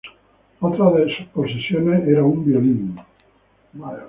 Otra de sus posesiones era un violín.